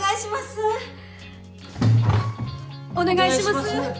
ぅお願いします